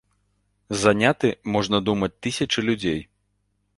Заняты, можна думаць, тысячы людзей.